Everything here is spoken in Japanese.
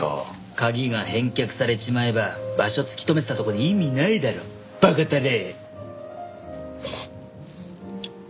鍵が返却されちまえば場所突き止めてたとこで意味ないだろ馬鹿たれ。